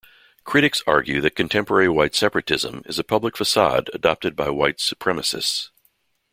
Critics argue that contemporary white separatism is a public facade adopted by white supremacists.